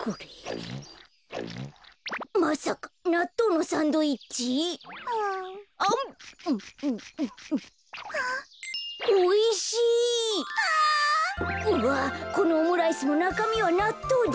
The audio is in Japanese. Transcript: うわこのオムライスもなかみはなっとうだ！